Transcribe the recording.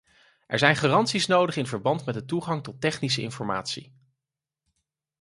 Er zijn garanties nodig in verband met de toegang tot technische informatie.